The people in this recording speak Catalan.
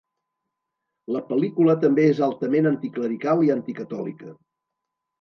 La pel·lícula també és altament anticlerical i anticatòlica.